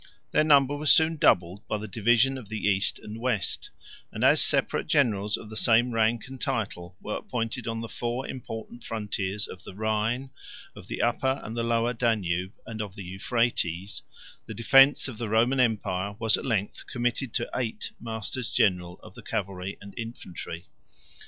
126 Their number was soon doubled by the division of the east and west; and as separate generals of the same rank and title were appointed on the four important frontiers of the Rhine, of the Upper and the Lower Danube, and of the Euphrates, the defence of the Roman empire was at length committed to eight masters general of the cavalry and infantry.